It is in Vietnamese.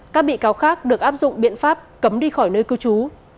các bị cáo khác được áp dụng biện pháp cấm đi khỏi nơi cư trú